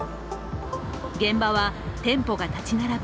現場は店舗が立ち並ぶ